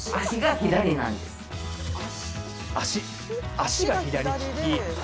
足が左利き。